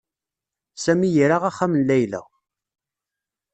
Sami ira axxam n Layla.